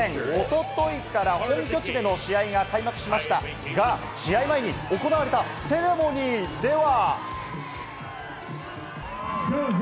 一昨日から本拠地での試合が開幕しましたが、試合前に行われたセレモニーでは。